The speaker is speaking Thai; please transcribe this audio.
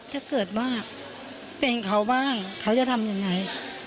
ถ้าเกิดว่าเป็นเขาบ้างเขาจะทำยังไง